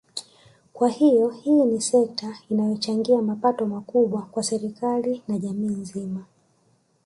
Kwa hiyo hii ni sekta inayochangia mapato makubwa kwa serikali na jamii nzima